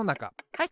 はい！